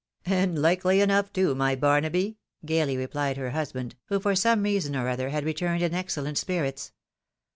" And hkely enough, too, my Barnaby," gaily replied her husband, who for some reason or other had returned in excellent spii'its.